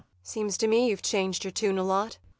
] Seems to me you've changed your tune a lot.